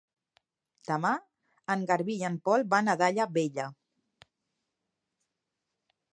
Demà en Garbí i en Pol van a Daia Vella.